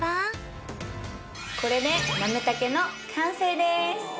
これでなめたけの完成です。